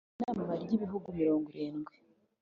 bita inama ry'ibihugu mirogwirindwi